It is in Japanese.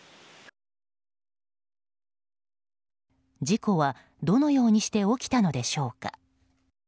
事故はどのようにして起きたのでしょうか。